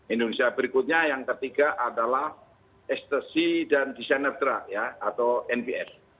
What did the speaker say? indonesia berikutnya yang ketiga adalah ekstasi dan desainer atau nps